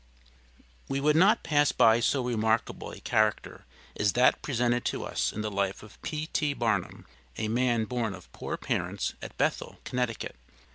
We would not pass by so remarkable a character as that presented to us in the life of P. T. Barnum, a man born of poor parents at Bethel, Connecticut.